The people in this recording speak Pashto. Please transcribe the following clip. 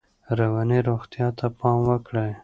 رواني روغتیا ته پام وکړئ.